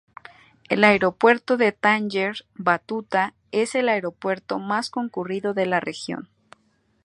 El Aeropuerto de Tánger-Ibn Battuta es el aeropuerto más concurrido de la región.